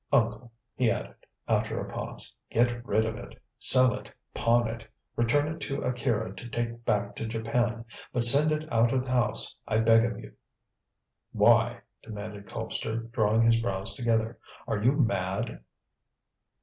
Uncle," he added, after a pause, "get rid of it. Sell it; pawn it; return it to Akira to take back to Japan, but send it out of the house, I beg of you." "Why?" demanded Colpster, drawing his brows together; "are you mad?"